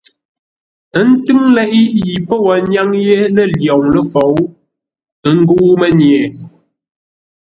Ə́ ntʉ́ŋ leʼé yi pə́ wo nyáŋ yé lə̂ lwoŋ ləfou ə́ ngə́u mənye.